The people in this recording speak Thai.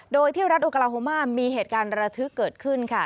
โดยที่รัฐโอกาลาโฮมามีเหตุการณ์ระทึกเกิดขึ้นค่ะ